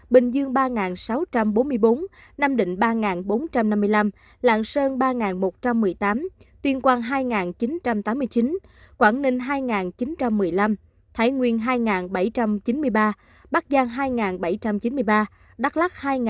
bình dương ba sáu trăm bốn mươi bốn nam định ba bốn trăm năm mươi năm lạng sơn ba một trăm một mươi tám tuyên quang hai chín trăm tám mươi chín quảng ninh hai chín trăm một mươi năm thái nguyên hai bảy trăm chín mươi ba bắc giang hai bảy trăm chín mươi ba đắk lắc hai nghìn hai mươi